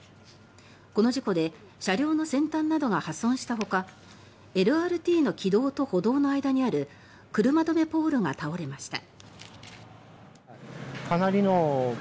この事故で車両の先端などが破損したほかＬＲＴの軌道と歩道の間にある車止めポールが倒れました。